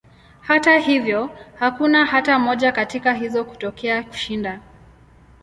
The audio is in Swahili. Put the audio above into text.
Hata hivyo, hakuna hata moja katika hizo kutokea kushinda.